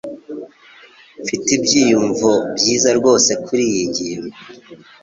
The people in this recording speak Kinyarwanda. Mfite ibyiyumvo byiza rwose kuriyi ngingo.